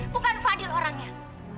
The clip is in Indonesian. bukan fadil orangnya